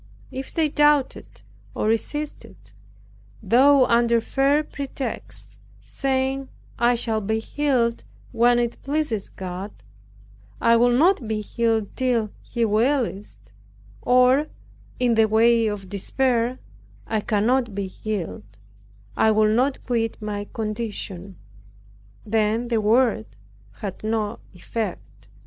If they doubted, or resisted, though under fair pretexts, saying, "I shall be healed when it pleases God, I will not be healed till He wills it;" or, in the way of despair, "I cannot be healed; I will not quit my condition," then the Word had no effect.